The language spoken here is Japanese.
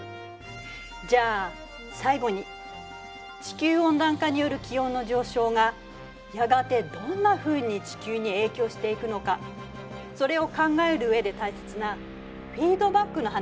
じゃあ最後に地球温暖化による気温の上昇がやがてどんなふうに地球に影響していくのかそれを考える上で大切なフィードバックの話をするね。